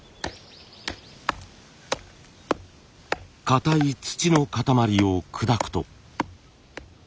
かたい土の塊を砕くと。